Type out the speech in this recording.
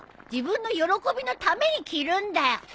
自分の喜びのために着るんだよ！